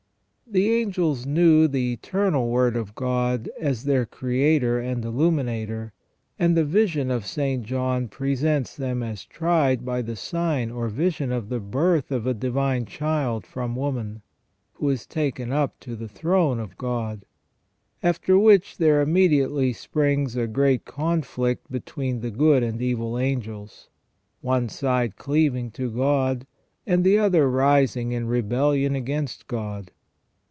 The angels knew the Eternal Word of God as their Creator and Illuminator, and the vision of St. John presents them as tried by the sign or vision of the birth of a Divine Child from woman, who is taken up to the throne of God ; after which there immediately springs a great conflict between the good and evil angels : one side cleaving to God, and the other rising in rebellion against God.